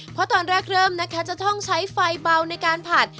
เพราะตอนแรกเริ่มนะคะจะต้องใช้ไฟเบาในการผัด